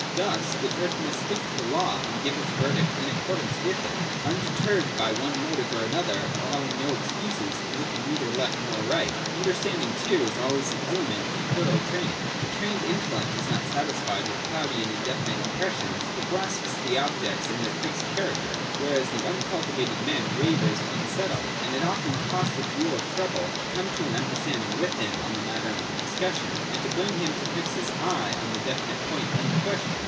Thus the judge must stick to the law, and give his verdict in accordance with it, undeterred by one motive or another, allowing no excuses, and looking neither left nor right. Understanding, too, is always an element in thorough training. The trained intellect is not satisfied with cloudy and indefinite impres sions, but grasps the objects in their fixed character : where as the uncultivated man wavers unsettled, and it often costs a deal of trouble to come to an understanding with him on the matter under discussion, and to bring him to fix his eye on the definite point in question.